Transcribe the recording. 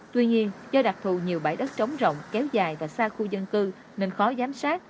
tuy nhiên do đặc thù nhiều bãi đất trống rộng kéo dài và xa khu dân cư nên khó giám sát